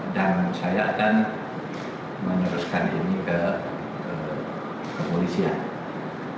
dan saya akan meneruskan ini ke polisian